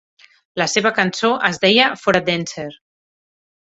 La seva cançó es deia "For a Dancer".